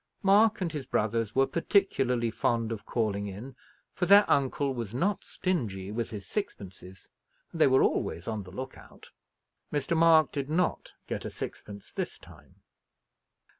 Mark and his brothers were particularly fond of calling in, for their uncle was not stingy with his sixpences, and they were always on the look out. Mr. Mark did not get a sixpence this time.